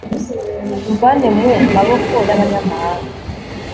umvane mu maboko y'abanyamahanga